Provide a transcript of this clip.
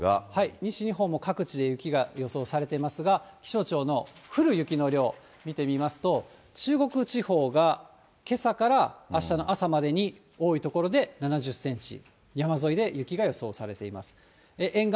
西日本も各地で雪が予想されてますが、気象庁の降る雪の量見てみますと、中国地方がけさからあしたの朝までに、多い所で７０センチ、山沿いで雪が予想されています。